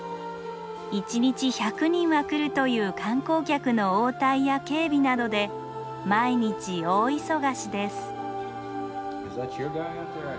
１日１００人は来るという観光客の応対や警備などで毎日大忙しです。